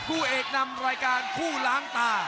ผู้เอกนำรายการคู่ล้างตา